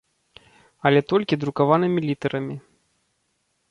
Але толькі друкаванымі літарамі.